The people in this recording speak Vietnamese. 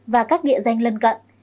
và các địa danh lên